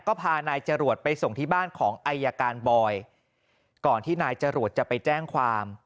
ก็พานายจรวดไปส่งที่บ้านของอายการบอยก่อนที่นายจรวดจะไปแจ้งความ